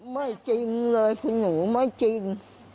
ไม่จริงเลยคุณหนูไม่จริง